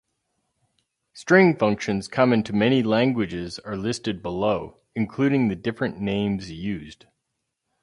String functions common to many languages are listed below, including the different names used.